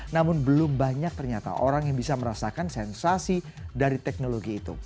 namun belum banyak ternyata orang yang bisa merasakan sensasi dari teknologi itu